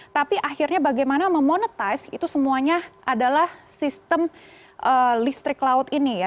tapi akhirnya bagaimana memonetize itu semuanya adalah sistem listrik laut ini ya